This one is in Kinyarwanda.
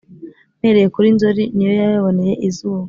Mpereye kuri Nzeri Ni yo yayaboneye izuba